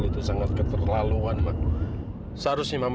tindakan mama dengan